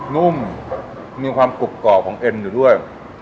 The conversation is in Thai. นุ่มมีความกรุบกรอบของเอ็นอยู่ด้วย